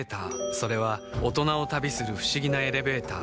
それは大人を旅する不思議なエレベーター